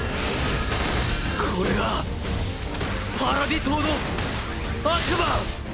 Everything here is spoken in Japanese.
これがパラディ島の悪魔！！